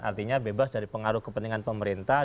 artinya bebas dari pengaruh kepentingan pemerintah